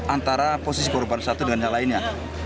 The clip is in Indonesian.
antara posisi korban satu dengan yang lainnya